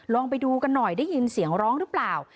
ลองไปดูกันหน่อยได้ยินเสียงร้องหรือเปล่า